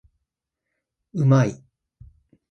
うまい